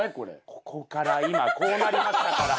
ここから今こうなりましたから。